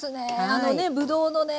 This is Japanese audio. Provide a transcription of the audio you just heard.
あのねぶどうのね